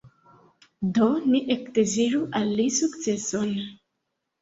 Do ni ekdeziru al li sukceson".